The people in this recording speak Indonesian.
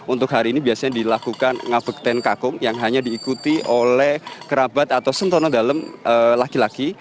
untuk hari ini biasanya dilakukan ngabekten kakung yang hanya diikuti oleh kerabat atau sentono dalam laki laki